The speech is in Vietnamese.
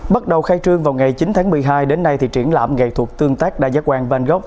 bắt đầu khai trương vào ngày chín tháng một mươi hai đến nay thì triển lãm nghệ thuật tương tác đa giác quan vangog